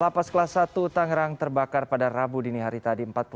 lapas kelas satu tangerang terbakar pada rabu dini hari tadi